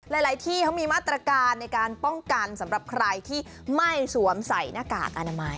หลายที่เขามีมาตรการในการป้องกันสำหรับใครที่ไม่สวมใส่หน้ากากอนามัย